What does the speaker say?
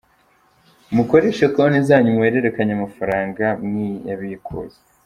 Mukoreshe konti zanyu muhererekanya amafaranga, mwiyabikuza.